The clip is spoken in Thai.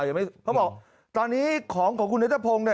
เขาบอกตอนนี้ของของคุณนัทพงศ์เนี่ย